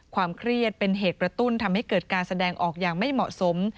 ความเครียดเป็นเหตุกระตุ้นทำให้เกิดการแสดงออกอย่างไม่เหมาะสม